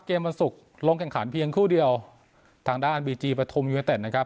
วันศุกร์ลงแข่งขันเพียงคู่เดียวทางด้านบีจีปฐุมยูเนเต็ดนะครับ